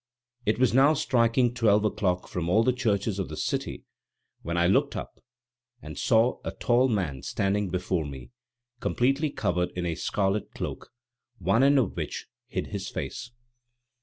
It was now striking twelve o'clock from all the churches of the city, when I looked up and saw a tall man standing before me completely covered in a scarlet cloak, one end of which hid his face.